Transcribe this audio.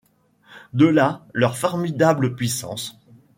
De là leur formidable puissance.